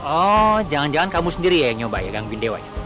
oh jangan jangan kamu sendiri ya yang nyoba ya gangguin dewanya